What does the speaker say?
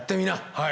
はい。